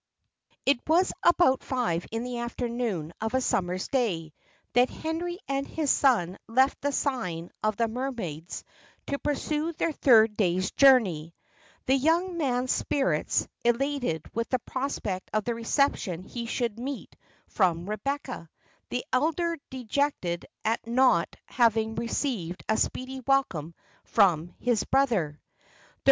It was about five in the afternoon of a summer's day, that Henry and his son left the sign of the Mermaid to pursue their third day's journey: the young man's spirits elated with the prospect of the reception he should meet from Rebecca: the elder dejected at not having received a speedy welcome from his brother.